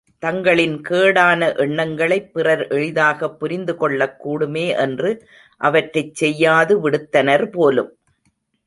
தங்களின் கேடான எண்ணங்களைப் பிறர் எளிதாகப் புரிந்துகொள்ளக்கூடுமே என்று அவற்றைச் செய்யாது விடுத்தனர் போலும்!